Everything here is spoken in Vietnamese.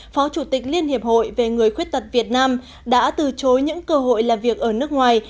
phó chủ tịch liên hiệp hội về người khuyết tật việt nam đã từ chối những cơ hội làm việc ở nước ngoài